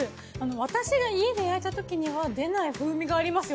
私が家で焼いたときには出ない風味がありますよ。